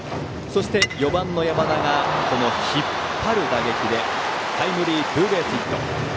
そして４番の山田が引っ張る打撃でタイムリーツーベースヒット。